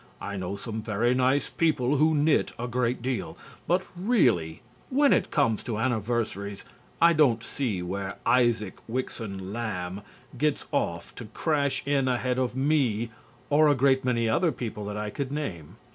I know some very nice people who knit a great deal. But really, when it comes to anniversaries I don't see where Isaac Wixon Lamb gets off to crash in ahead of me or a great many other people that I could name.